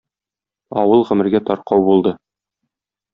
Авыл гомергә таркау булды.